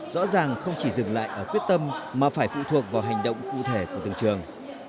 rõ ràng không chỉ dừng lại ở quyết tâm mà phải phụ thuộc vào hành động cụ thể của từng trường